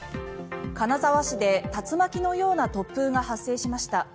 金沢市で竜巻のような突風が発生しました。